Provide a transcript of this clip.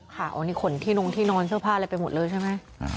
ค่ะโอ้นี่ขนที่นงที่นอนเสื้อผ้าอะไรไปหมดเลยใช่ไหม